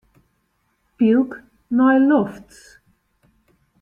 Pylk nei lofts.